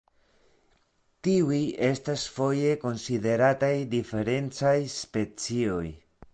Tiuj estas foje konsiderataj diferencaj specioj.